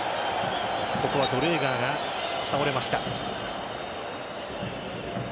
ここはドレーガーが倒れました。